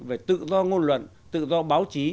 về tự do ngôn luận tự do báo chí